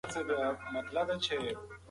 له بدو خلګو لري اوسئ.